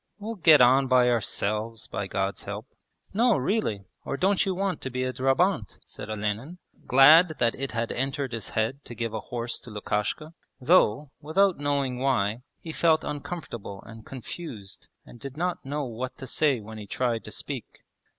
We'll get on by ourselves by God's help.' 'No, really! Or don't you want to be a drabant?' said Olenin, glad that it had entered his head to give a horse to Lukashka, though, without knowing why, he felt uncomfortable and confused and did not know what to say when he tried to speak.